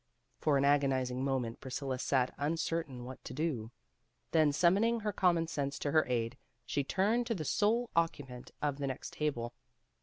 For an agonizing moment Priscilla sat un certain what to do. Then summoning her com mon sense to her aid, she turned to the sole oc cupant of the next table.